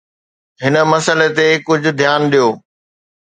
هن مسئلي تي ڪجهه ڌيان ڏيو.